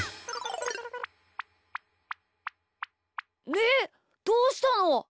みーどうしたの？